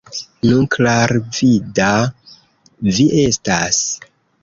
Nu, klarvida vi estas!